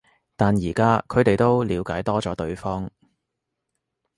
但而家佢哋都了解多咗對方